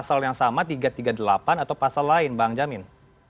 tersangka baru ini dalam pasal yang sama tiga ratus tiga puluh delapan atau pasal lain bang jamin